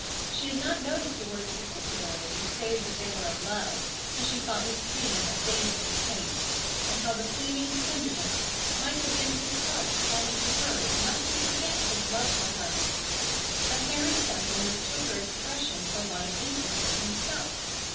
She had not noticed the words particularly, save that they were of love, and she thought with pain of David and Kate, and how the pleading tenderness might have been his heart calling to hers not to forget his love for her. But Harry Temple mistook her expression for one of interest in himself.